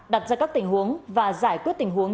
đặt ra các tình huống và giải quyết tình huống